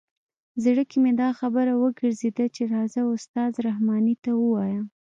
زړه کې مې دا خبره وګرځېده چې راځه استاد رحماني ته ووایه.